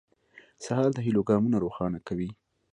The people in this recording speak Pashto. سهار د هيلو ګامونه روښانه کوي.